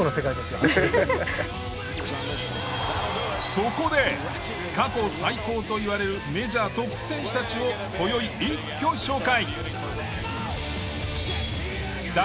そこで過去最高といわれるメジャートップ選手たちを今宵一挙紹介！